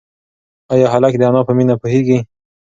ایا هلک د انا په مینه پوهېږي؟